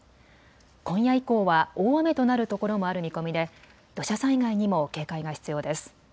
今夜以降は大雨となるところもある見込みで土砂災害にも警戒が必要です。